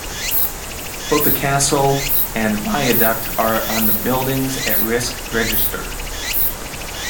Both the castle and viaduct are on the Buildings at Risk Register.